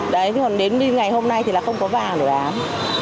đấy còn đến ngày hôm nay thì là không có vàng để bán